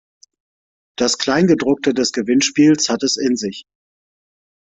Das Kleingedruckte des Gewinnspiels hat es in sich.